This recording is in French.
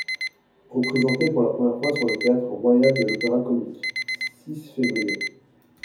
Représenté pour la première fois sur le Théâtre Royal de l'Opéra-Comique (six fév.